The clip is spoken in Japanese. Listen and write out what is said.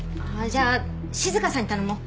じゃあ静さんに頼もう。